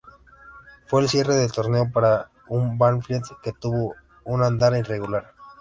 Fue el cierre de torneo para un Banfield que tuvo un andar irregular.